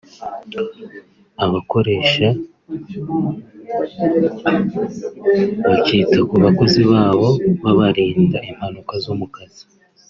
abakoresha bakita ku bakozi babo babarinda impanuka zo mu kazi